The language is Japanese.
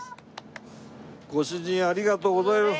ご主人ありがとうございます。